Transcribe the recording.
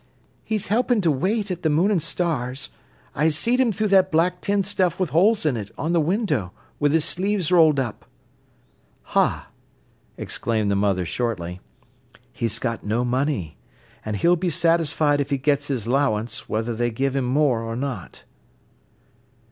"He's helping to wait at the Moon and Stars. I seed him through that black tin stuff wi' holes in, on the window, wi' his sleeves rolled up." "Ha!" exclaimed the mother shortly. "He's got no money. An' he'll be satisfied if he gets his 'lowance, whether they give him more or not."